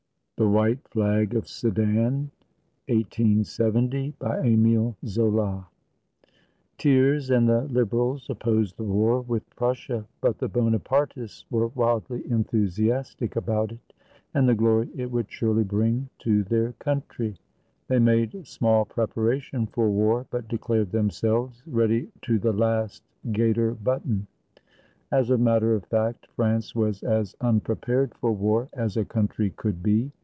THE WHITE FLAG OF SEDAN BY EMILE ZOLA [Thiers and the Liberals opposed the war with Prussia, but the Bonapartists were wildly enthusiastic about it and the glory it would surely bring to their country. They made small preparation for war, but declared themselves "ready to the last gaiter button." As a matter of fact, France was as unprepared for war as a country could be.